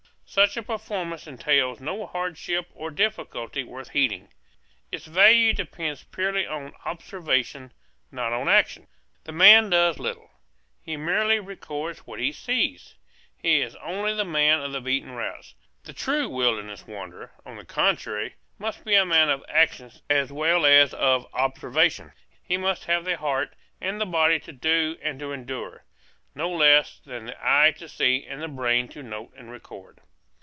Such a performance entails no hardship or difficulty worth heeding. Its value depends purely on observation, not on action. The man does little; he merely records what he sees. He is only the man of the beaten routes. The true wilderness wanderer, on the contrary, must be a man of action as well as of observation. He must have the heart and the body to do and to endure, no less than the eye to see and the brain to note and record.